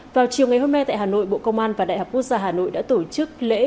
vào chiều ngày hôm nay tại hà nội bộ công an và đại học quốc gia hà nội đã tổ chức lễ